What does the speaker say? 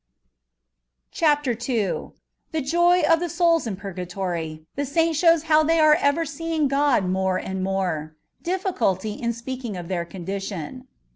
CHAPTER IL THB JOT OF THE fiOULS IN PUBOATOBT — THS SAINT SHOWS HOW THET ARE EVER SEEING (}OD MORE AND MORE — DIFFICULTT IN SPEAKING OF THElfe CONDITION.